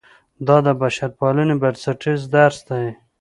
دا د بشرپالنې بنسټیز درس دی.